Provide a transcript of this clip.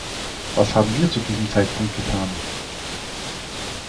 Was haben wir zu diesem Zeitpunkt getan?